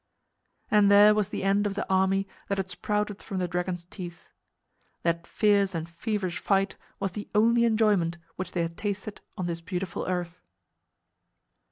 And there was the end of the army that had sprouted from the dragon's teeth. That fierce and feverish fight was the only enjoyment which they had tasted on this beautiful earth.